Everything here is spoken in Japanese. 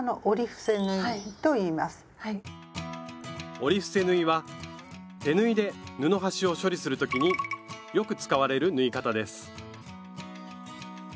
折り伏せ縫いは手縫いで布端を処理する時によく使われる縫い方です